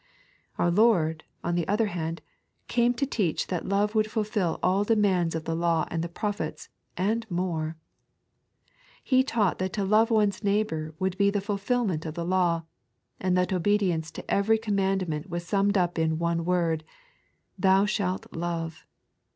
Out Lord, on the other hand, came to teach that love would fulfil all demands of the taw and the prophets, otvI more. He taught that to love one's neighbour would be the fulfilment of the law, and that obedience to every Com mandment was summed up in one word, " Thou shalt love."